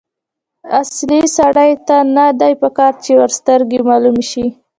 اصیل سړي ته نه دي پکار چې وږسترګی معلوم شي.